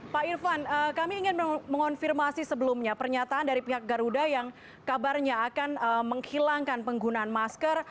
pak irfan kami ingin mengonfirmasi sebelumnya pernyataan dari pihak garuda yang kabarnya akan menghilangkan penggunaan masker